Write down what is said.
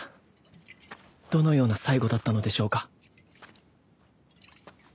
どのような最期だったのでしょうか。